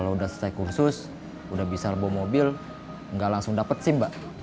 udah setelah kursus udah bisa bawa mobil gak langsung dapet sih mbak